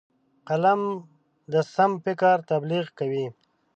قلم د سم فکر تبلیغ کوي